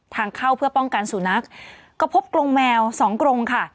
ทางเข้าเพื่อป้องกันสุนัขก็พบกรงแมวสองกรงค่ะ